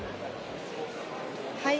はい。